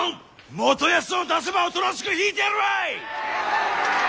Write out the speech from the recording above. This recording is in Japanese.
元康を出せばおとなしく引いてやるわい！